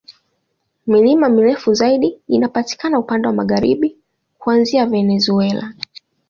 Milima mirefu zaidi inapatikana upande wa magharibi, kuanzia Venezuela.